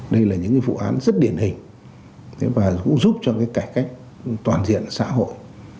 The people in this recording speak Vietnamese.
đây là những vụ án rất điển hình và cũng giúp cho cải cách toàn diện xã hội